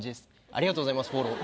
ありがとうございますフォロー。